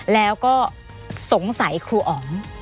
แล้วก็สงสัยครูอ๋อง